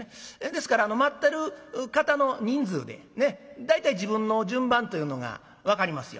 ですから待ってる方の人数で大体自分の順番というのが分かりますよ。